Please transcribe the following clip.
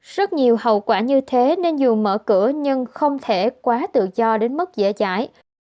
rất nhiều hậu quả như thế nên dù mở cửa nhưng không thể quá tự do đến mức dễ cháy